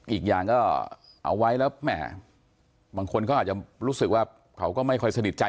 อีกอย่างก็เอาไว้แล้วแหมบางคนเขาอาจจะรู้สึกว่าเขาก็ไม่ค่อยสนิทใจ